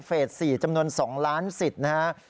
เฟส๔จำนวน๒ล้านสิทธิ์นะฮะ